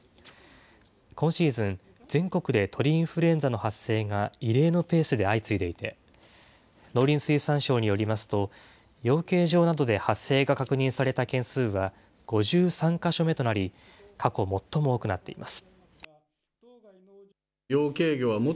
今シーズン、全国で鳥インフルエンザの発生が異例のペースで相次いでいて、農林水産省によりますと、養鶏場などで発生が確認された件数は、５３か所目となり、過去最も多くなっています。